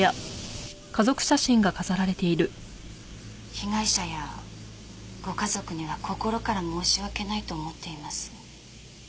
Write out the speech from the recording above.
被害者やご家族には心から申し訳ないと思っています。